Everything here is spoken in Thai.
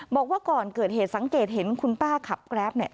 บอกว่าก่อนเกิดเหตุสังเกตเห็นคุณป้าขับแกรปเนี่ย